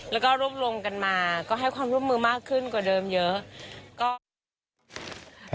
แล้วก็รวบรวมกันมาก็ให้ความร่วมมือมากขึ้นกว่าเดิมเยอะ